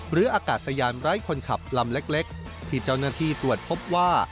อากาศยานไร้คนขับลำเล็กที่เจ้าหน้าที่ตรวจพบว่า